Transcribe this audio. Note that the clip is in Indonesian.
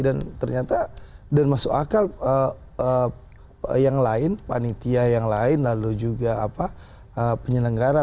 dan ternyata dan masuk akal yang lain panitia yang lain lalu juga penyelenggara